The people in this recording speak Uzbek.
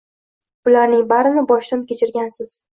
Bularning barini boshdan kechirgansiz.